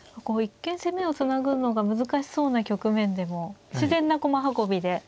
こう一見攻めをつなぐのが難しそうな局面でも自然な駒運びで。